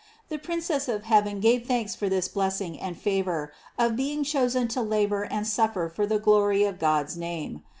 The Princess of heaven gave thanks for this blessing and favor of being chosen to labor and suffer for the glory of God's name.